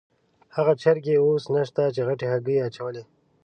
هغه چرګې اوس نشته چې غټې هګۍ یې اچولې.